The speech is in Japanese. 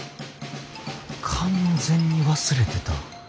完全に忘れてた。